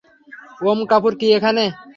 ওম কাপুর কি এখানে?